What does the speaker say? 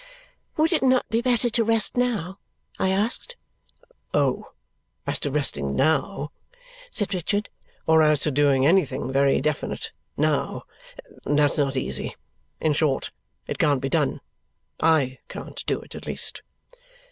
"Would it not be better to rest now?" I asked. "Oh, as to resting NOW," said Richard, "or as to doing anything very definite NOW, that's not easy. In short, it can't be done; I can't do it at least."